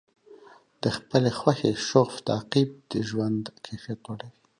د خپلې خوښې شغف تعقیب د ژوند کیفیت لوړوي.